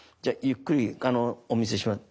じゃあゆっくりお見せします。